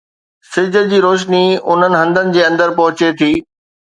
سج جي روشني انهن هنڌن جي اندر پهچي ٿي